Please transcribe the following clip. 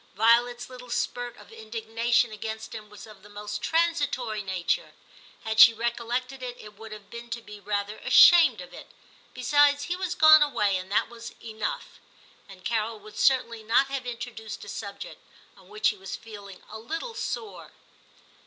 Violet's little spurt of indigna tion against him was of the most transitory nature ; had she recollected it, it would have been to be rather ashamed of it ; besides, he was gone away, and that was enough ; and Carol would certainly not have introduced a subject on which he was feeling a little sore.